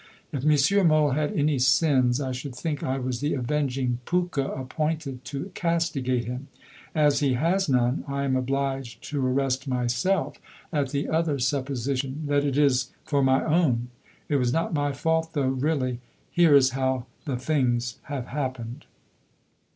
If M. Mohl had any sins, I should think I was the avenging Phooka appointed to castigate him as he has none, I am obliged to arrest myself at the other supposition that it is for my own. It was not my fault though really. Here is how the things have happened....